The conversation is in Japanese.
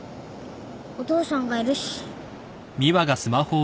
お父さんがいるし。